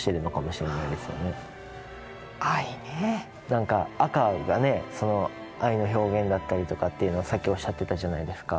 なんか赤がねその愛の表現だったりとかっていうのをさっきおっしゃってたじゃないですか。